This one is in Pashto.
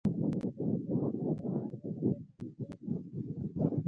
دا د بدن د تعادل اړوند ډېری فعالیتونه کنټرولوي.